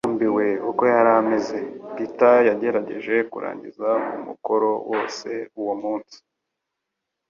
Yarambiwe uko yari ameze, Peter yagerageje kurangiza umukoro wose uwo munsi